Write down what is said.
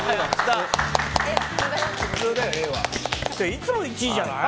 いつも１位じゃない？